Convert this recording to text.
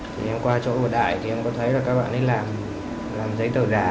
thì em qua chỗ ở đại thì em có thấy là các bạn ấy làm giấy tờ giả